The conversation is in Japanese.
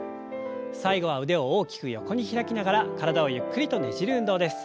最後は腕を大きく横に開きながら体をゆっくりとねじる運動です。